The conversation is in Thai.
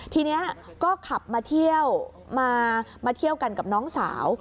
ทีนี้ก็ขับมาเที่ยวกันกับน้องสาว